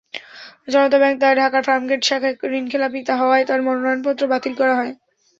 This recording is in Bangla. জনতা ব্যাংক ঢাকার ফার্মগেট শাখায় ঋণখেলাপি হওয়ায় তাঁর মনোনয়নপত্র বাতিল করা হয়।